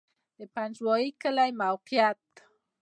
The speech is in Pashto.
د پنجوایي کلی موقعیت